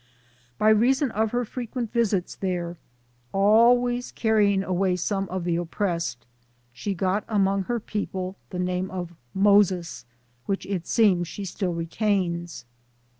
By reason of her frequent visits there, al ways carrying away some of the oppressed, she got among her people the name of ' Moses,' which it seems she still retains.